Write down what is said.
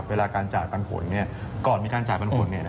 เวลาการจ่ายปันผลก่อนมีการจ่ายปันผล